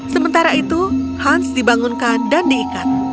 sementara itu hans dibangunkan dan diikat